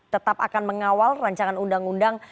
tetap akan mengawal rancangan undang undang